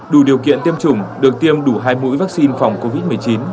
đủ điều kiện tiêm chủng được tiêm đủ hai mũi vaccine phòng covid một mươi chín